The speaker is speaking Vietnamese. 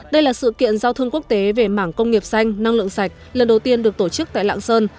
đây là sự kiện giao thương quốc tế về mảng công nghiệp xanh năng lượng sạch lần đầu tiên được tổ chức tại lạng sơn